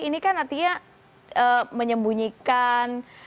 ini kan artinya menyembunyikan